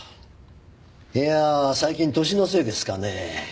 いやあ最近歳のせいですかね。